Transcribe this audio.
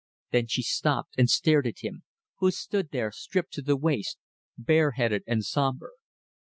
Then she stopped and stared at him who stood there, stripped to the waist, bare headed and sombre.